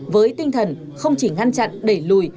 với tinh thần không chỉ ngăn chặn để lùi